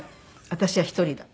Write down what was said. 「私は１人だ。